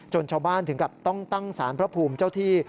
ชาวบ้านถึงกับต้องตั้งสารพระภูมิเจ้าที่